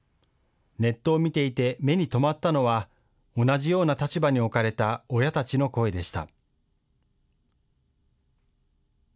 ネットを見ていて目に留まったのは、同じような立場に置かれた親たちの声でした。